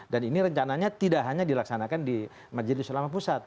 dan ini rencananya tidak hanya dilaksanakan di majelis ulama pusat